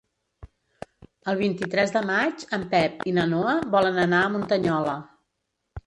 El vint-i-tres de maig en Pep i na Noa volen anar a Muntanyola.